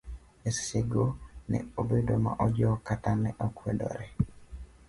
Eseche go ne obedo ma ojok kata ne okwedore.